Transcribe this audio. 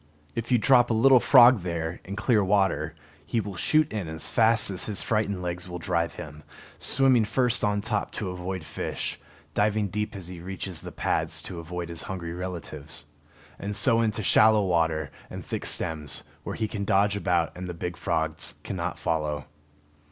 If you drop a little frog there, in clear water, he will shoot in as fast as his frightened legs will drive him, swimming first on top to avoid fish, diving deep as he reaches the pads to avoid his hungry relatives; and so in to shallow water and thick stems, where he can dodge about and the big frogs cannot follow.